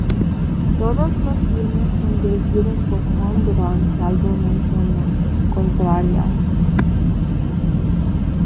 Todos los filmes son dirigidos por Jean Durand, salvo mención contraria.